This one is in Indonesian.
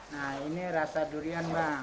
nah ini rasa durian mbak